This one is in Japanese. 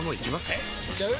えいっちゃう？